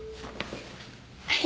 はい。